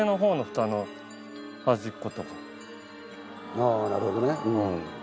ああなるほどね。